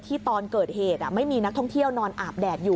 ตอนเกิดเหตุไม่มีนักท่องเที่ยวนอนอาบแดดอยู่